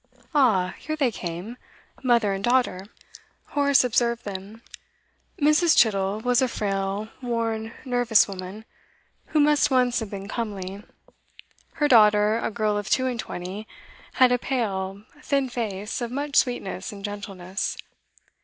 Ah, here they came; mother and daughter. Horace observed them. Mrs. Chittle was a frail, worn, nervous woman, who must once have been comely; her daughter, a girl of two and twenty, had a pale, thin face of much sweetness and gentleness.